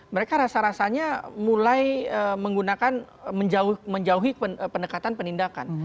mereka rasa rasanya mulai menggunakan menjauhi pendekatan penindakan